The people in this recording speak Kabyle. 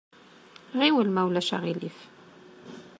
Ɣiwel ma ulac aɣilif!